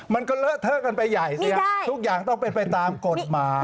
มันก็เลอะเทอะกันไปใหญ่สิทุกอย่างต้องเป็นไปตามกฎหมาย